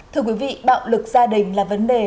thưa quý vị bạo lực gia đình là vấn đề